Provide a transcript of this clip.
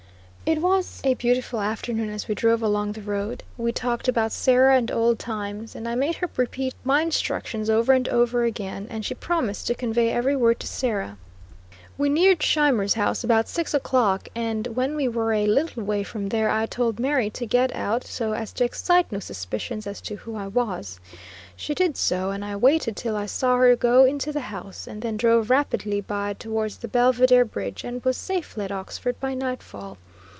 It was a beautiful afternoon as we drove along the road. We talked about Sarah and old times, and I made her repeat my instructions over and over again and she promised to convey every word to Sarah. We neared Scheimer's house about six o'clock, and when we were a little way from there I told Mary to get out, so as to excite no suspicions as to who I was; she did so, and I waited till I saw her go into the house, and then drove rapidly by towards the Belvidere bridge, and was safely at Oxford by nightfall.